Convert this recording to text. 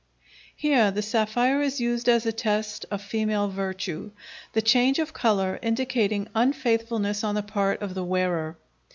Here the sapphire is used as a test of female virtue, the change of color indicating unfaithfulness on the part of the wearer.